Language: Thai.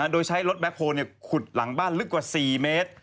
โดยใช้รถแคคโฮลขุดหลังบ้านลึกกว่า๔เมตร